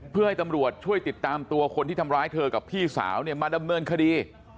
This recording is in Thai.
เพื่อให้ตำรวจช่วยติดตามตัวคนที่ทำร้ายเธอกับพี่สาวเนี่ยมาดำเนินคดี